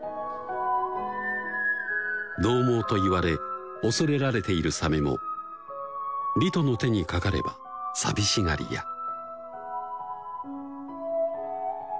どう猛と言われ恐れられているサメもリトの手にかかれば寂しがり屋